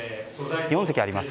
４席あります。